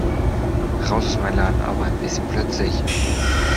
Raus aus meinem Laden, aber ein bisschen plötzlich!